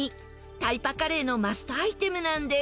タイパカレーのマストアイテムなんです。